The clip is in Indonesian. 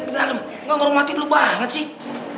di dalem gak ngoromatin lo banget sih